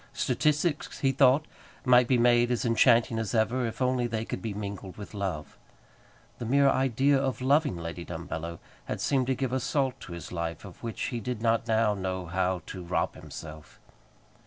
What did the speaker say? Statistics, he thought, might be made as enchanting as ever, if only they could be mingled with love. The mere idea of loving Lady Dumbello had seemed to give a salt to his life of which he did not now know how to rob himself.